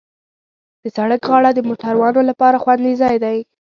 د سړک غاړه د موټروانو لپاره خوندي ځای دی.